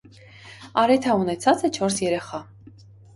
Արեթա ունեցած է չորս երեխայ։